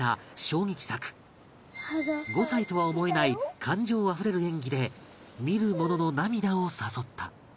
５歳とは思えない感情あふれる演技で見る者の涙を誘った